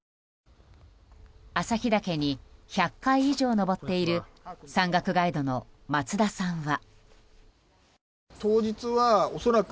朝日岳に１００回以上登っている山岳ガイドの松田さんは。